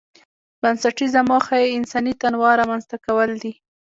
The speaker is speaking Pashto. بنسټيزه موخه یې انساني تنوع رامنځته کول دي.